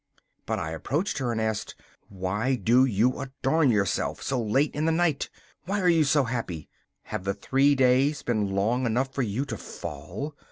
But I approached her and asked: 'Why do you adorn yourself so late in the night? why are you so happy? Have the three days been long enough for you to fall?